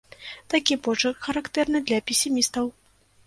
Такі почырк характэрны для песімістаў.